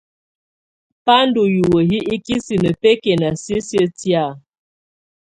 Bà ndù hiwǝ hi ikisinǝ bɛkɛna sisiǝ́ tɛ̀á.